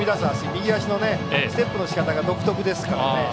右足のステップのし方が独特ですからね。